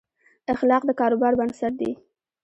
اخلاق د کاروبار بنسټ دي.